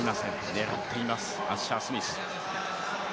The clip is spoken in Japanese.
狙っています、アッシャースミス。